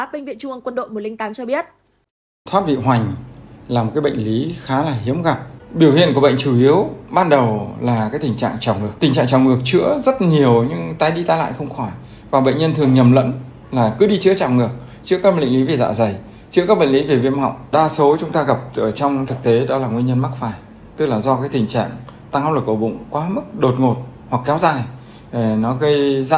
trường nhiệm khoa phẫu thật tiêu hóa bệnh viện trung ương quân đội một trăm linh tám cho biết